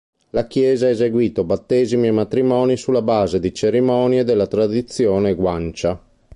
La Chiesa ha eseguito battesimi e matrimoni sulla base di cerimonie della tradizione guancia.